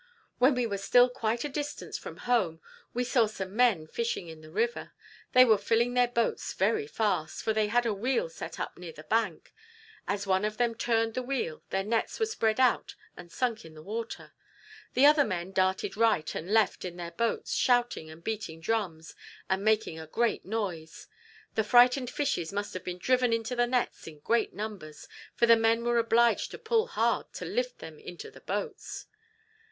"When we were still quite a distance from home, we saw some men fishing in the river. They were filling their boats very fast, for they had a wheel set up near the bank. As one of them turned the wheel, their nets were spread out and sunk in the water. The other men darted right and left in their boats, shouting and beating drums, and making a great noise. The frightened fishes must have been driven into the nets in great numbers, for the men were obliged to pull hard to lift them into the boats."